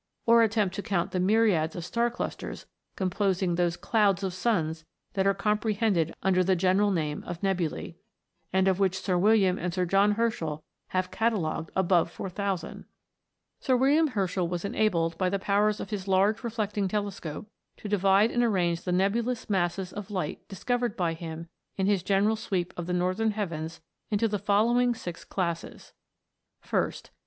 or attempt to count the myriads of star clusters composing those " clouds of suns" that are comprehended xinder the general name of nebulae* and of which Sir "William and Sir John * Sir William Herschel was enabled, by the powers of his large reflecting telescope, to divide and arrange the nebulous masses of light discovered by him in his general sweep of the northern heavens into the following six classes : 1st.